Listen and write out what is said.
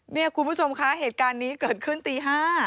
นี่คุณผู้ชมคะเหตุการณ์นี้เกิดขึ้นตี๕